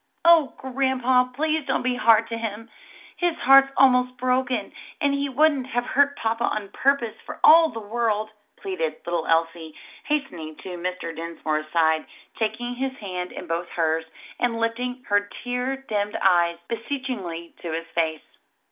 "O grandpa, please don't be hard to him! His heart's almost broken, and he wouldn't have hurt papa on purpose for all the world," pleaded little Elsie, hastening to Mr. Dinsmore's side, taking his hand in both hers, and lifting her tear dimmed eyes beseechingly to his face.